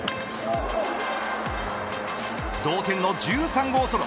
同点の１３号ソロ。